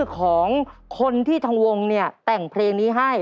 ชื่อของคนที่ทางวงแต่งเพลงนี้ให้